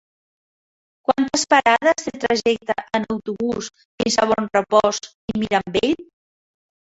Quantes parades té el trajecte en autobús fins a Bonrepòs i Mirambell?